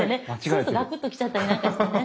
そうするとガクッときちゃったりなんかしてね。